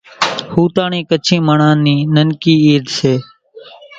ھوتاھڻِي ڪڇي ماڻۿان نِي ننڪي عيد سي